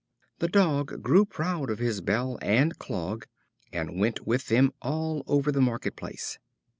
The Dog grew proud of his bell and clog, and went with them all over the market place.